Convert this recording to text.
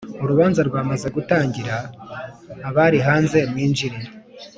urubanza rwamaze gutangira abarihanze mwinjire